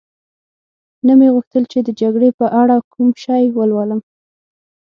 نه مې غوښتل چي د جګړې په اړه کوم شی ولولم.